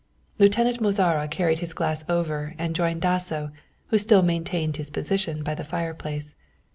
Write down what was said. Lieutenant Mozara carried his glass over and joined Dasso, who still maintained his position by the fireplace.